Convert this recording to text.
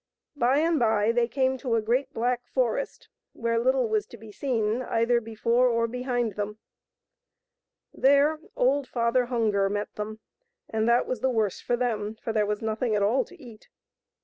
By and by they came to a great black forest where little was to be seen either before or behind them. There old Father Hunger met them, and that was the worse for them, for there was nothing at all to eat.